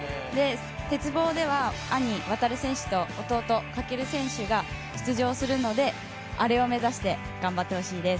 鉄棒では兄・航選手と弟・翔選手が出場するのでアレを目指して頑張ってほしいです。